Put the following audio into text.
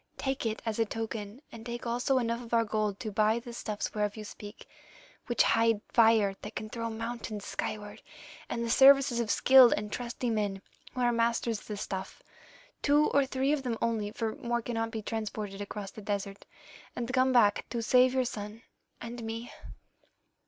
Take it as a token, and take also enough of our gold to buy the stuffs whereof you speak, which hide fires that can throw mountains skyward, and the services of skilled and trusty men who are masters of the stuff, two or three of them only, for more cannot be transported across the desert, and come back to save your son and me.